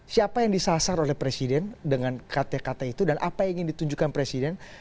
siapa yang disasar oleh presiden dengan kata kata itu dan apa yang ingin ditunjukkan presiden